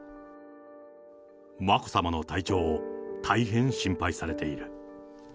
眞子さまの体調を大変心配されている。